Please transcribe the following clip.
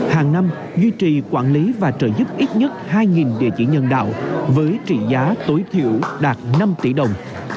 hàng năm duy trì quản lý và trợ giúp ít nhất hai địa chỉ nhân đạo với trị giá tối thiểu đạt năm tỷ đồng